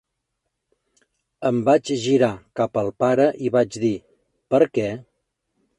Em vaig girar cap al pare i vaig dir, per què?